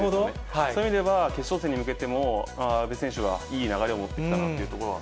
そういう意味では、決勝戦に向けても、阿部選手はいい流れを持ってきたなというところは。